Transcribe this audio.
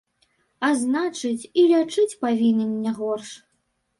А значыць, і лячыць павінен не горш.